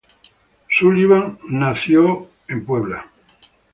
Sullivan nació en Manhattan.